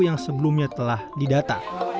yang sebelumnya telah didata